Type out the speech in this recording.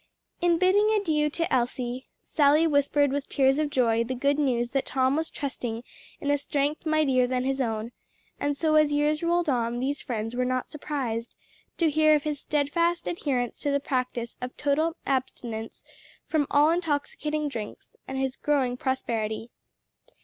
In bidding adieu to Elsie, Sally whispered with tears of joy the good news that Tom was trusting in a strength mightier than his own, and so, as years rolled on, these friends were not surprised to hear of his steadfast adherence to the practice of total abstinence from all intoxicating drinks, and his growing prosperity.